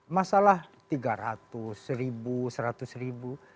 masalah tiga ratus seribu seratus ribu